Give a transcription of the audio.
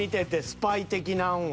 スパイ的なんは。